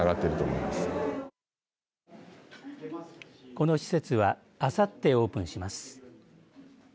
この施設はあさってオープンします。